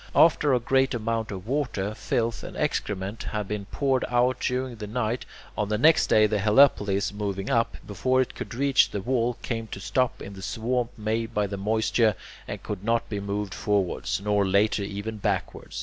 After a great amount of water, filth, and excrement had been poured out during the night, on the next day the helepolis moving up, before it could reach the wall, came to a stop in the swamp made by the moisture, and could not be moved forwards, nor later even backwards.